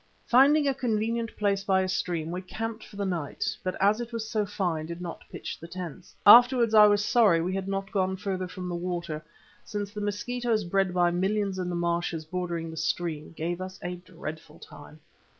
Finding a convenient place by a stream we camped for the night, but as it was so fine, did not pitch the tents. Afterwards I was sorry that we had not gone further from the water, since the mosquitoes bred by millions in the marshes bordering the stream gave us a dreadful time.